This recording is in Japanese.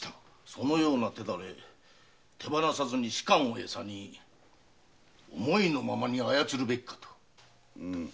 そのような手練の者手放さずに仕官をエサに思いのままに操るべきかと。